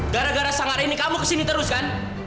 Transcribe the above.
gara gara sang hari ini kamu kesini terus kan